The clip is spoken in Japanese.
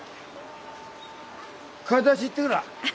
買い出し行ってくらあ。